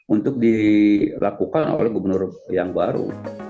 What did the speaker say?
untuk dilakukan oleh gubernur yang baru